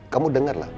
kamu dengar lah